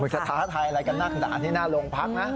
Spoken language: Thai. จะท้าทายอะไรกันนักด่าที่หน้าโรงพักนะ